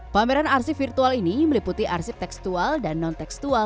pameran arsip virtual ini meliputi arsip tekstual dan non tekstual